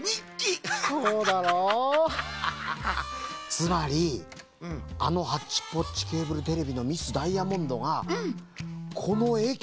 つまりあのハッチポッチケーブルテレビのミス・ダイヤモンドがこのえきを。